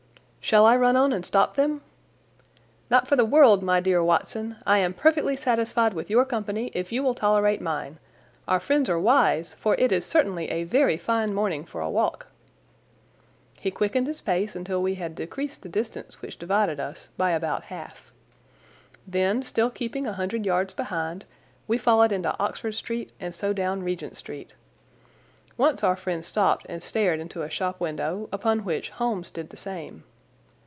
"Shall I run on and stop them?" "Not for the world, my dear Watson. I am perfectly satisfied with your company if you will tolerate mine. Our friends are wise, for it is certainly a very fine morning for a walk." He quickened his pace until we had decreased the distance which divided us by about half. Then, still keeping a hundred yards behind, we followed into Oxford Street and so down Regent Street. Once our friends stopped and stared into a shop window, upon which Holmes did the same.